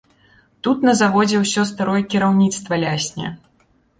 Тут на заводзе ўсё старое кіраўніцтва лясне.